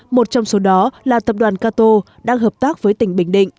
một trong số đó là tập đoàn cato đang hợp tác với tỉnh bình định